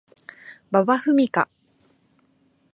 馬場ふみか